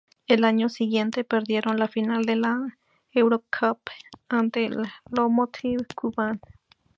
Al año siguiente perdieron la final de la Eurocup ante el Lokomotiv Kuban.